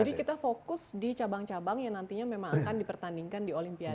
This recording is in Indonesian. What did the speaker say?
jadi kita fokus di cabang cabang yang nantinya memang akan dipertandingkan di olimpiade